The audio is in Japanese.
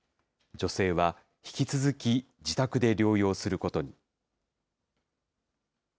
女性は引き続き自宅で療養することに。